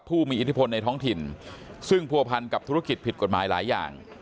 ผู้มีอิทธิพลในท้องถิ่นซึ่งผัวพันกับธุรกิจผิดกฎหมายหลายอย่าง